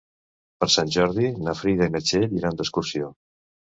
Per Sant Jordi na Frida i na Txell iran d'excursió.